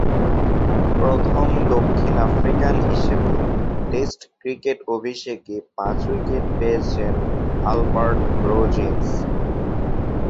প্রথম দক্ষিণ আফ্রিকান হিসেবে টেস্ট ক্রিকেট অভিষেকে পাঁচ-উইকেট পেয়েছেন আলবার্ট রোজ-ইন্স।